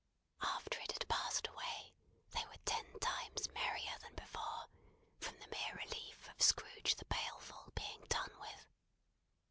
After it had passed away, they were ten times merrier than before, from the mere relief of Scrooge the Baleful being done with.